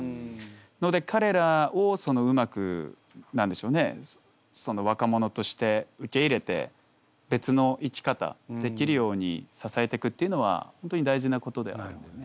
ので彼らをうまく何でしょうね若者として受け入れて別の生き方できるように支えてくっていうのは本当に大事なことであるんだよね。